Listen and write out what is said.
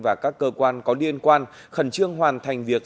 và các cơ quan có liên quan khẩn trương hoàn thành việc